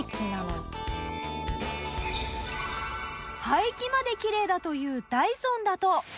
排気まできれいだというダイソンだと。